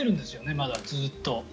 まだずっと。